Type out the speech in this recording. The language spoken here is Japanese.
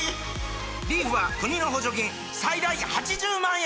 リーフは国の補助金最大８０万円！